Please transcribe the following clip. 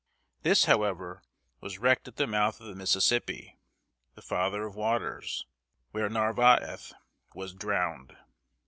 This, however, was wrecked at the mouth of the Mississippi ("The Father of Waters"), where Narvaez was drowned.